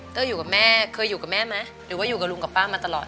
อยู่กับแม่เคยอยู่กับแม่ไหมหรือว่าอยู่กับลุงกับป้ามาตลอด